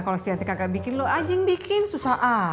kalo si yanti kakak bikin lu anjing bikin susah amat